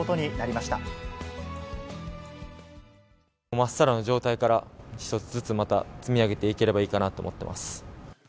まっさらな状態から、一つずつ、また積み上げていければいいかなと思っています。